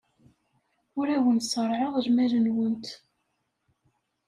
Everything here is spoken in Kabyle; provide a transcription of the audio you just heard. Ur awent-ṣerrɛeɣ lmal-nwent.